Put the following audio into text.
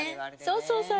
そうそうそう。